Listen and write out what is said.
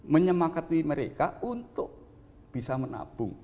menyemangati mereka untuk bisa menabung